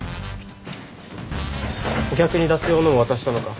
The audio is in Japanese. お客に出す用のを渡したのか？